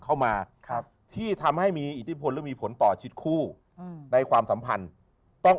เข้ามาครับที่ทำให้มีอิทธิพลหรือมีผลต่อชีวิตคู่อืมในความสัมพันธ์ต้อง